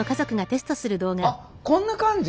あっこんな感じか。